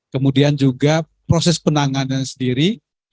kemudian juga proses penanganan sendiri